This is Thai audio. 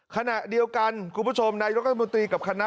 ขณะเดียวกันคุณผู้ชมนายกรัฐมนตรีกับคณะ